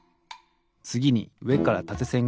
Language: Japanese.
つぎにうえからたてせん